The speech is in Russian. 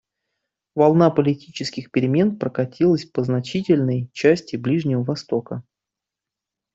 Волна политических перемен прокатилась по значительной части Ближнего Востока.